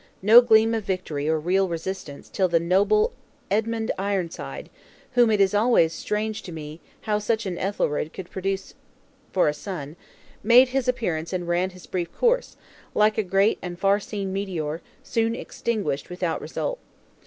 No gleam of victory or real resistance till the noble Edmund Ironside (whom it is always strange to me how such an Ethelred could produce for son) made his appearance and ran his brief course, like a great and far seen meteor, soon extinguished without result.